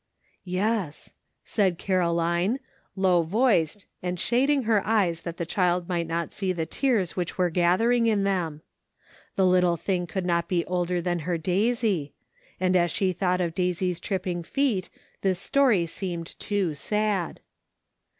"Yes," said Caroline, low voiced, and shad ing her eyes that the child might not seo the tears which were gathering in them. The little thing could not be older than her Daisy ; and as she thought of Daisy's tripping feet this story seemed too sad.